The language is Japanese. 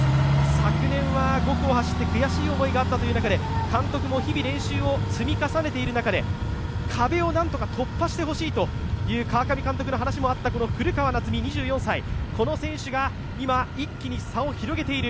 昨年は５区を走って悔しい思いがあったという中で、監督も日々練習を積み重ねている中で壁となんとか突破してほしいという川上監督の話もあった古川夏海、２４歳この選手が今、一気に差を広げている。